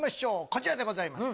こちらでございます。